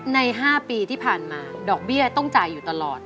๕ปีที่ผ่านมาดอกเบี้ยต้องจ่ายอยู่ตลอด